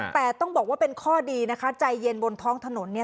แต่ต้องบอกว่าเป็นข้อดีนะคะใจเย็นบนท้องถนนเนี่ย